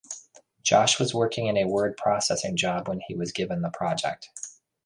Josh was working in a word processing job when he was given the project.